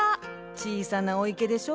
小さなお池でしょ。